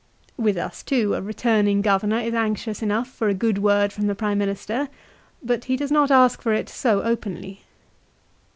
1 "With us, too, a returning governor is anxious enough for a good word from the Prime Minister ; but he does not ask for it so openly.